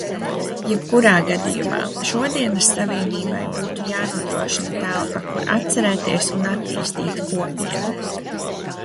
Jebkurā gadījumā, šodienas Savienībai būtu jānodrošina telpa, kur atcerēties un attīstīt Kopienu.